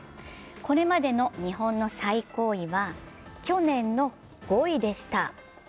これまでの日本の最高位は去年の５位でした。